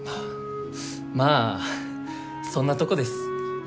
まあそんなとこです。